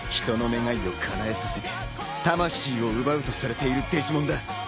人の願いをかなえさせて魂を奪うとされているデジモンだ。